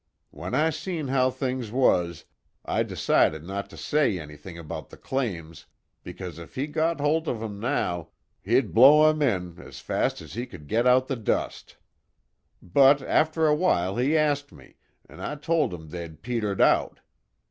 When I seen how things was, I decided not to say anything about the claims because if he got holt of 'em now, he'd blow 'em in as fast as he could get out the dust. But, after a while he asked me, an' I told him they'd petered out.